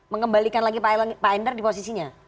mengembalikan lagi pak endar di posisinya